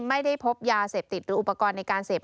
ไม่ได้พบยาเสพติดหรืออุปกรณ์ในการเสพ